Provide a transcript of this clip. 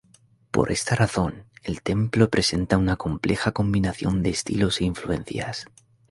Por esa razón, el templo presenta una compleja combinación de estilos e influencias.